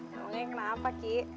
namanya kenapa cik